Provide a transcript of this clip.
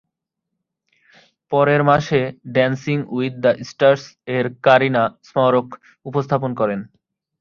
পরের মাসে 'dancing with the stars' এর কারিনা স্মরনোফ উপস্থাপনা করেন।